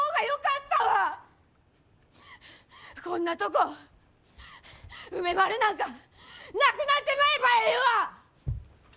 こんなとこ梅丸なんかなくなってまえばええわ！